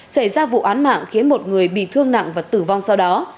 xảy ra vụ án mạng khiến một người bị thương nặng và tử vong sau đó